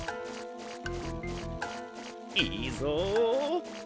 いいぞ。